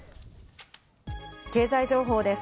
経済情報です。